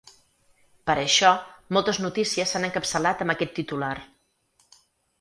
Per això, moltes notícies s’han encapçalat amb aquest titular.